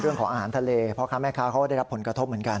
เรื่องของอาหารทะเลพ่อค้าแม่ค้าเขาก็ได้รับผลกระทบเหมือนกัน